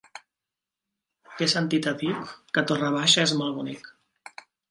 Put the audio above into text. He sentit a dir que Torre Baixa és molt bonic.